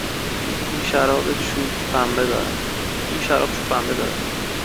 این شراب چوب پنبه دارد.